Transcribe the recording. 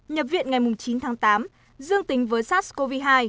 nhập viện ngày chín tháng tám dương tính với sars cov hai